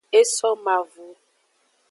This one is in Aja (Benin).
E so mavo.